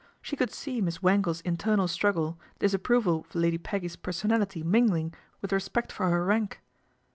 She couli see Miss Wangle's internal struggle, disapprova of Lady Peggy's personality mingling with respec for her rank.